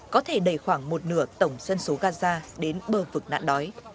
có thể đẩy khoảng một nửa tổng dân số gaza đến bờ vực nạn đói